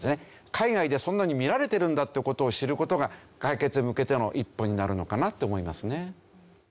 海外でそんなふうに見られてるという事を知る事が解決に向けての一歩になるのかなって思いますね。